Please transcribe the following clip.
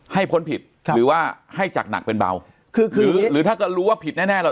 ให้พ้นผิดหรือว่าให้จักหนักเป็นเบาหรือถ้าก็รู้ว่าผิดแน่